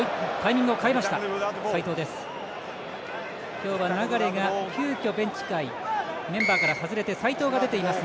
今日は流が急きょ、ベンチ外メンバーから外れて齋藤が出ています。